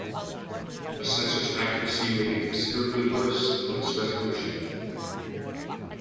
A sensor's accuracy may be considerably worse than its resolution.